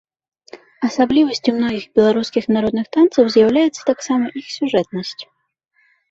Асаблівасцю многіх беларускіх народных танцаў з'яўляецца таксама іх сюжэтнасць.